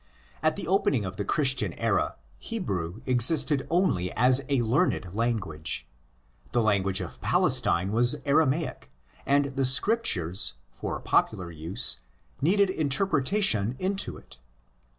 At the opening of the Christian era Hebrew existed only as a learned language. The language of Palestine was Aramaic; and the Scriptures, for popular use, needed interpretation into it.